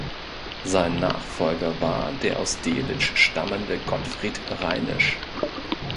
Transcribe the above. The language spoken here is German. Sein Nachfolger war der aus Delitzsch stammende Gottfried Reinisch.